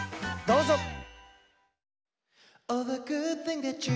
どうぞ！